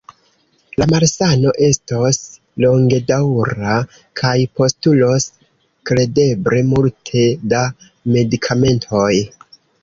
La malsano estos longedaŭra kaj postulos kredeble multe da medikamentoj.